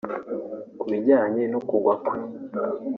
Ku bijyanye no kugwa kwe